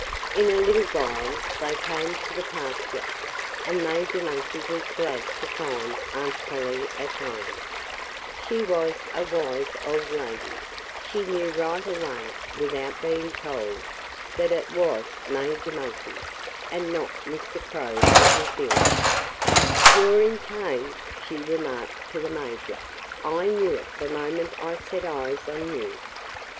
In a little while they came to the pasture. And Major Monkey was glad to find Aunt Polly at home. [Illustration: Aunt Polly Woodchuck Offered Him an Apple] She was a wise old lady. She knew right away, without being told, that it was Major Monkey and not Mr. Crow that was ill. "You're in pain," she remarked to the Major. "I knew it the moment I set eyes on you."